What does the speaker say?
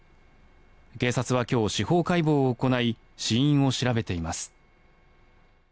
警察は今日、司法解剖を行い死因を調べています。